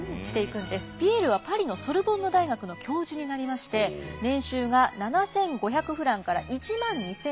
ピエールはパリのソルボンヌ大学の教授になりまして年収が７，５００フランから１万２，０００フラン。